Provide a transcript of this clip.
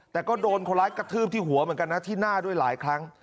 แต่ก็โดนคนร้ายกระทืบที่หัวเหมือนกันนะที่หน้าด้วยหลายครั้ง